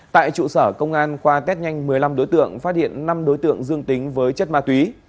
tại trụ sở công an qua test nhanh một mươi năm đối tượng phát hiện năm đối tượng dương tính với chất ma túy